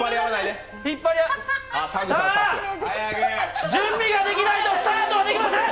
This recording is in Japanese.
さあ、準備ができないとスタートできません！